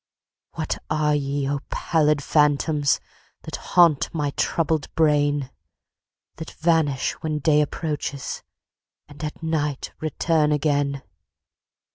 What are ye, O pallid phantoms! That haunt my troubled brain? That vanish when day approaches, And at night return again?